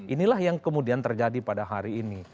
inilah yang kemudian terjadi pada hari ini